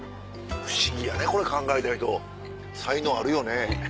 不思議やねこれ考えた人才能あるよね。